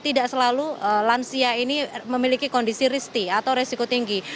tidak selalu lansia ini memiliki kondisi risti atau resiko tinggi